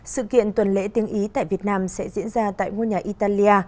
sự kiện tuần lễ tiếng ý tại việt nam sẽ diễn ra tại ngôi nhà italia